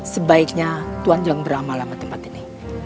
sebaiknya tuhan jangan beramal sama tempat ini